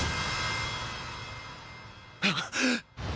あっ！